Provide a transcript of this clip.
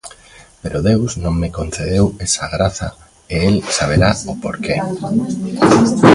Pero Deus non me concedeu esa graza e el saberá o por que.